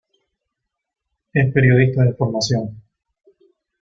Es periodista de formación.